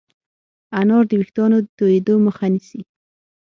انار د ويښتانو تویدو مخه نیسي.